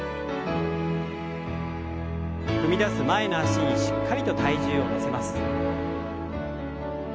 踏み出す前の脚にしっかりと体重を乗せます。